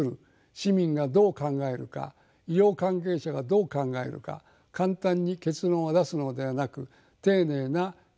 市民がどう考えるか医療関係者がどう考えるか簡単に結論を出すのではなく丁寧な議論説明が必要です。